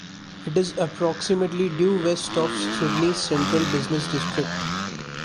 It is approximately due west of Sydney's central business district.